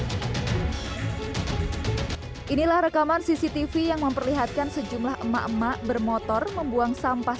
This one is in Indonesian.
inilah rekaman cctv yang memperlihatkan sejumlah emak emak bermotor membuang sampah